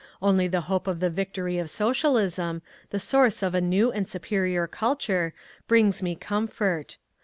Only the hope of the victory of Socialism, the source of a new and superior culture, brings me comfort.